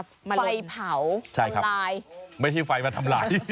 ไฟเผาใช่ครับตายไม่ใช่ไฟมาทำลาย